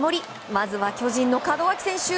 まずは巨人の門脇選手。